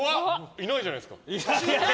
いないじゃないですか！